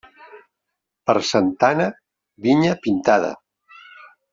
Per Santa Anna, vinya pintada.